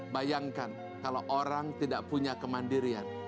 bayangkan kalau orang tidak punya kemandirian